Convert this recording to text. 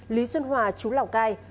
lý xuân hòa chú lào cai